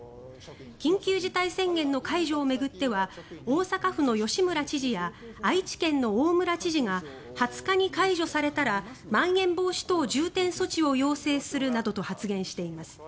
緊急事態宣言の解除を巡っては大阪府の吉村知事や愛知県の大村知事が２０日に解除されたらまん延防止等重点措置を要請するなどと発言しています。